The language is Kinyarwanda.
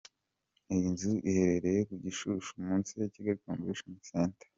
Iyi nzu iherereye ku Gishushu munsi ya Kigali Convention Centre.